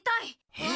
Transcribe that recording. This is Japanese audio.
えっ？